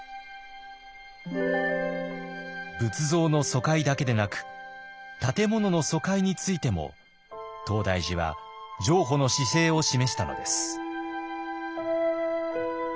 仏像の疎開だけでなく建物の疎開についても東大寺は譲歩の姿勢を示したのです。